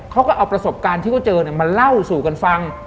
เขาก็เอาประสบการณ์ที่เขาเจอมาเล่าสู่กันฟัง